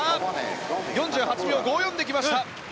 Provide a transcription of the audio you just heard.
４８秒５４で来ました。